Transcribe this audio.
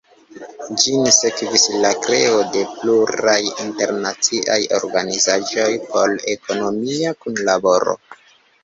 Ĝin sekvis la kreo de pluraj internaciaj organizaĵoj por ekonomia kunlaboro.